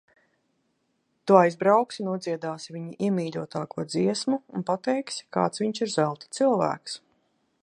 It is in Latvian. Tu aizbrauksi, nodziedāsi viņa iemīļotāko dziesmu un pateiksi, kāds viņš ir zelta cilvēks.